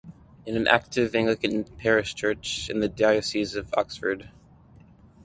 It is an active Anglican parish church in the diocese of Oxford.